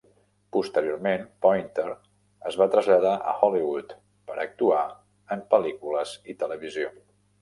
Posteriorment, Pointer es va traslladar a Hollywood per actuar en pel·lícules i televisió.